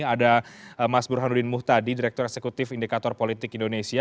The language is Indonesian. ada mas burhanuddin muhtadi direktur eksekutif indikator politik indonesia